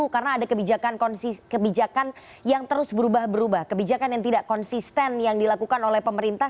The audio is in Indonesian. karena ada kebijakan yang terus berubah berubah kebijakan yang tidak konsisten yang dilakukan oleh pemerintah